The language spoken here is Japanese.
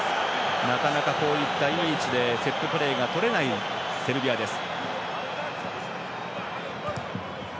なかなか、こういったいい位置でセットプレーが取れないセルビアです。